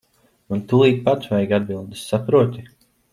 Man tūlīt pat vajag atbildes, saproti.